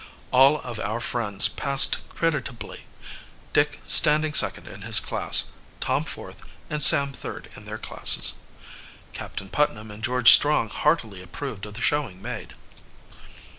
All of our friends passed creditably, Dick standing second in his class, Tom fourth and Sam third in their classes. Captain Putnam and George Strong heartily approved of the showing made.